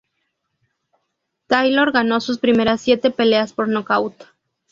Taylor ganó sus primeras siete peleas por nocaut.